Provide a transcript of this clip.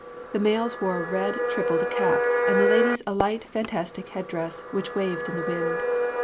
The males wore red tripled caps, and the ladies a light fantastic headdress which waved in the wind.